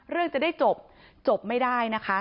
เรื่องจะได้จบจบไม่ได้นะคะ